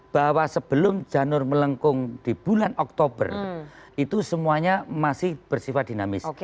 bahwa sebelum janur melengkung di bulan oktober itu semuanya masih bersifat dinamis